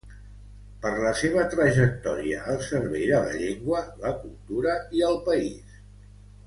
Per la seva trajectòria al servei de la llengua, la cultura i el país.